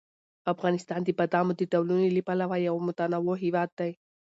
افغانستان د بادامو د ډولونو له پلوه یو متنوع هېواد دی.